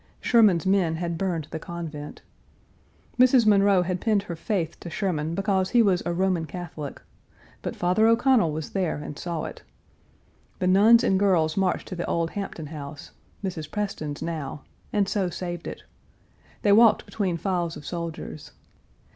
Sherman's men had burned the convent. Mrs. Munroe had pinned her faith to Sherman because he was a Roman Catholic, but Father O'Connell was there and saw it. The nuns and girls marched to the old Hampton house (Mrs. Preston's now), and so saved it. They walked between files of soldiers.